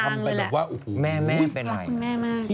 รักคุณแม่มาก